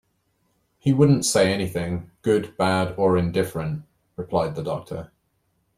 “He wouldn’t say anything — good, bad or indifferent,” replied the doctor.